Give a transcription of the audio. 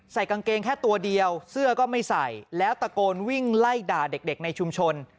กางเกงแค่ตัวเดียวเสื้อก็ไม่ใส่แล้วตะโกนวิ่งไล่ด่าเด็กในชุมชน